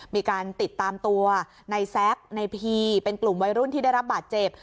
มีการติดตามตัวในแซคในพีเป็นกลุ่มวัยรุ่นที่ได้รับบาดเจ็บ